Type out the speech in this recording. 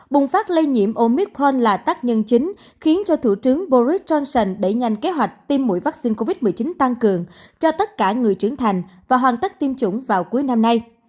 bùng phát lây nhiễm omicront là tác nhân chính khiến cho thủ tướng boris johnson đẩy nhanh kế hoạch tiêm mũi vaccine covid một mươi chín tăng cường cho tất cả người trưởng thành và hoàn tất tiêm chủng vào cuối năm nay